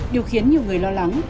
điều khiến nhiều người lo lắng